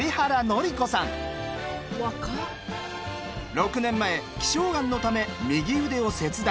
６年前希少がんのため右腕を切断。